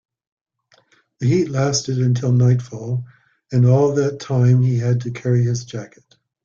The heat lasted until nightfall, and all that time he had to carry his jacket.